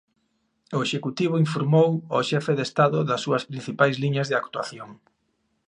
O Executivo informou o xefe do Estado das súas principais liñas de actuación.